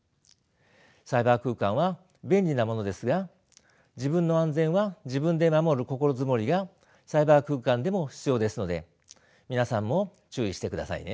サイバー空間は便利なものですが自分の安全は自分で守る心づもりがサイバー空間でも必要ですので皆さんも注意してくださいね。